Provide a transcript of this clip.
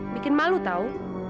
bikin malu tau